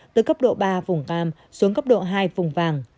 từ cấp độ ba vùng nam xuống cấp độ hai vùng vàng